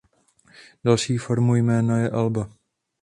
Další formou jména je Alba.